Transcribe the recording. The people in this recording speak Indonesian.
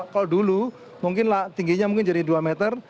kalau dulu mungkin tingginya mungkin jadi dua meter